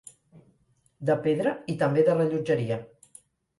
De pedra, i també de rellotgeria.